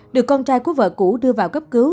được con trai của vợ cũ đưa vào cấp cứu